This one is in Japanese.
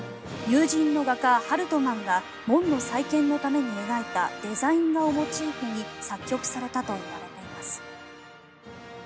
友人の画家、ハルトマンが門の再建のために描いたデザイン画をモチーフに作曲されたといわれています。